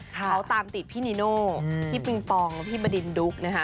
เขาตามติดพี่นีโน่พี่ปิงปองพี่บดินดุ๊กนะคะ